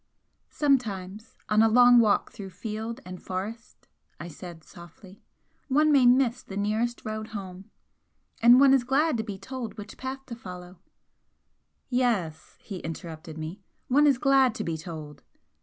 "Sometimes on a long walk through field and forest," I said, softly "one may miss the nearest road home. And one is glad to be told which path to follow " "Yes," he interrupted me "One is glad to be told!"